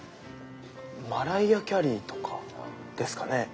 マライア・キャリーとかですかね。